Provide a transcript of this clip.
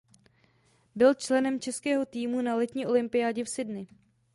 Byl členem českého týmu na Letní olympiádě v Sydney.